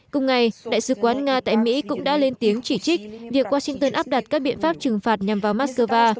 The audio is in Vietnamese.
cùng ngày đại sứ quán nga tại mỹ cũng đã lên tiếng chỉ trích việc washington áp đặt các biện pháp trừng phạt nhằm vào moscow